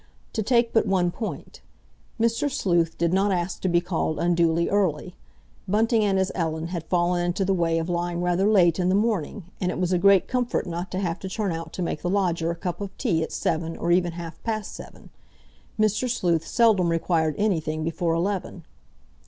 To take but one point: Mr. Sleuth did not ask to be called unduly early. Bunting and his Ellen had fallen into the way of lying rather late in the morning, and it was a great comfort not to have to turn out to make the lodger a cup of tea at seven, or even half past seven. Mr. Sleuth seldom required anything before eleven.